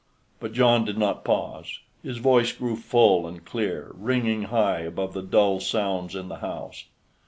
But John did not pause; his voice grew full and clear, ringing high above the dull sounds in the house.